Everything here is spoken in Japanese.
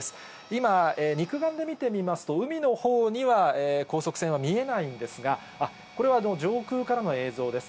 今、肉眼で見てみますと、海のほうには高速船は見えないんですが、これは上空からの映像です。